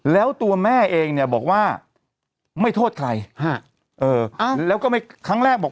แล้วตัวแม่เองเนี่ยบอกว่าไม่โทษใครฮะเออแล้วก็ไม่ครั้งแรกบอก